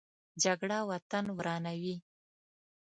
جګړه وطن ورانوي